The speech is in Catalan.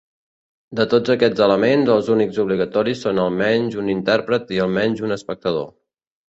De tots aquests elements, els únics obligatoris són almenys un intèrpret i almenys un espectador.